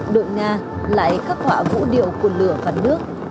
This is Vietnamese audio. đội nga lại khắc họa vũ điệu của lửa và nước